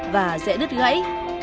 và dễ nứt gãy